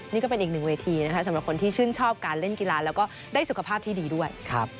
นี่ก็เป็นอีกหนึ่งเวทีนะคะสำหรับคนที่ชื่นชอบการเล่นกีฬาแล้วก็ได้สุขภาพที่ดีด้วย